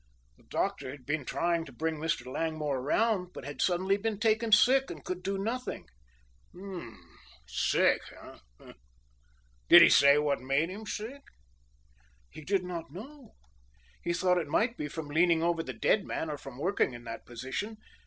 The doctor had been trying to bring Mr. Langmore around but had suddenly been taken sick and could do nothing." "Humph, sick, eh? Did he say what made him sick?" "He did not know. He thought it might be from leaning over the dead man, or from working in that position.